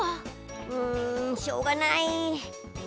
んしょうがない。